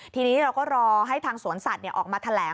ทีนี้เราก็รอให้ทางสวนสัตว์ออกมาแถลง